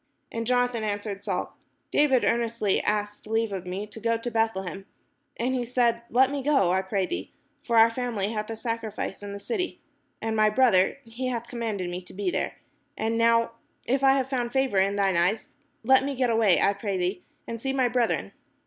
And Jonathan answered Saul: "David earnestly asked leave of me to go to Beth lehem : and he said, Let me go, I pray thee; for our family hath a sacrifice in the city; and my brother, he hath commanded me to be there : and now, if I have found favour in thine eyes, let me get away, I pray thee, and see my brethren.